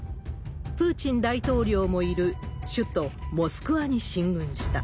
プーチン大統領もいる首都モスクワに進軍した。